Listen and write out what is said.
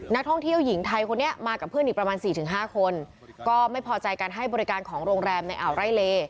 นักท่องเที่ยวหญิงไทยคนนี้มากับเพื่อนอีกประมาณสี่ถึงห้าคนก็ไม่พอใจการให้บริการของโรงแรมในอ่าวไร่เล